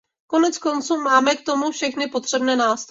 Koneckonců máme k tomu všechny potřebné nástroje.